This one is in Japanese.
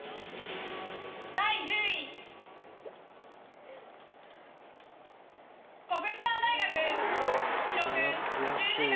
第１０位、国士舘大学。